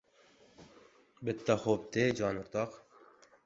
— Bitta xo‘p de, jon o‘rtoq!